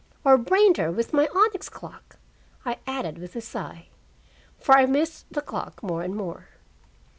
"Or brained her with my onyx clock," I added with a sigh. For I missed the clock more and more.